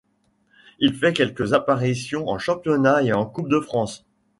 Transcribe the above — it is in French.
Il fait quelques apparitions en championnat et en Coupe de France.